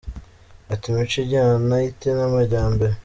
Ati “Imico ijyana ite n’amajyambere ?